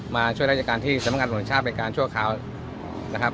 มาช่วยรักษาการที่สัมพันธ์กรรมชาติบริการชั่วคราวนะครับ